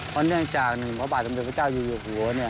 เพราะเนื่องจากพระบาทสมเด็จพระเจ้าอยู่หัว